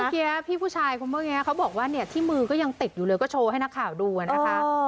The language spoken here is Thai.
พี่ผู้ชายคนเมื่อกี้เขาบอกว่าเนี่ยที่มือก็ยังติดอยู่เลยก็โชว์ให้นักข่าวดูนะคะ